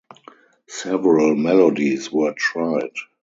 Several melodies were tried.